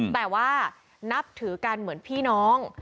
แต่ว่านับถือกันเหมือนพี่น้อง